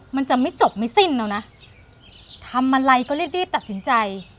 มันจะไม่จบไม่สิ้นแล้วนะทำอะไรก็รีบรีบตัดสินใจ